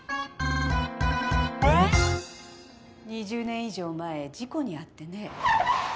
２０年以上前事故にあってね。